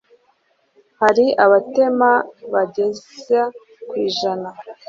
hari abatema bageza kwi jana